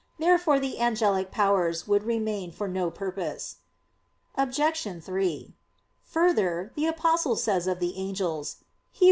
Therefore the angelic orders would remain for no purpose. Obj. 3: Further, the Apostle says of the angels (Heb.